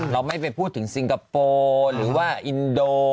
เราไม่ไปพูดถึงซิงคโปร์หรือว่าอินโด